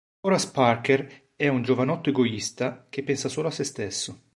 Horace Parker è un giovanotto egoista che pensa solo a sé stesso.